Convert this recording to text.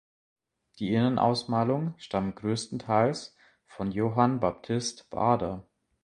Die Innenausmalung stammt großteils von Johann Baptist Baader.